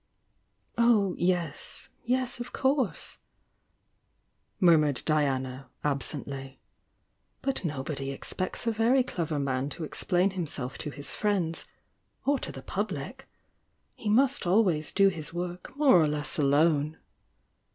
"Oh, yes! — yes, of course!" murmured Diana, ab sently. "But nobody expects a very clever man to explain himself to his friends — or to the public. He must always do his work more or less alone."